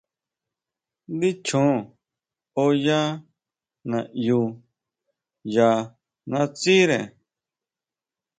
Ndí chjon oyá naʼyu ya natsire.